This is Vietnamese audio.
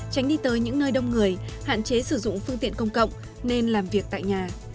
tránh đi tới những nơi đông người hạn chế sử dụng phương tiện công cộng nên làm việc tại nhà